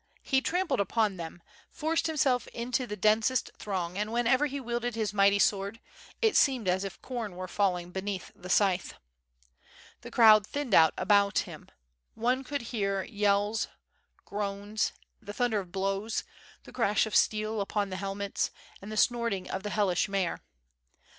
He trampled upon them, forced himself into the densest throng, and whenever he wielded his mighty sword it seemed as if com were falling beneath the scythe. The crowd thinned out about him; one could hear yells, groans, the thunder of blows, the crash of steel upon the helmets and the snorting of the hellish mare.